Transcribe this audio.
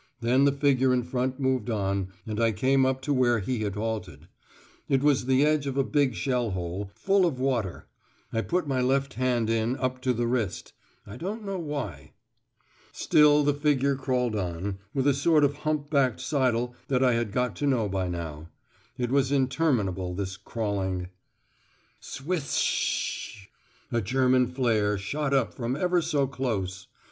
Then the figure in front moved on, and I came up to where he had halted. It was the edge of a big shell hole, full of water; I put my left hand in up to the wrist, I don't know why. Still the figure crawled on, with a sort of hump backed sidle that I had got to know by now. It was interminable this crawling.... "Swis s sh." A German flare shot up from ever so close.